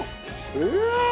うわ！